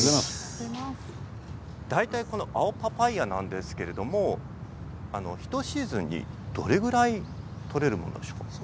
大体青パパイアなんですけれども１シーズンにどれくらい取れるものなんでしょうか？